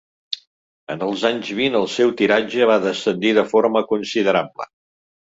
En els anys vint el seu tiratge va descendir de forma considerable.